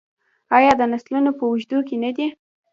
آیا د نسلونو په اوږدو کې نه دی؟